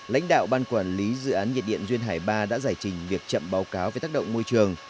lãnh đạo ban quản lý dự án nhiệt điện duyên hải ba đã giải trình việc chậm báo cáo về tác động môi trường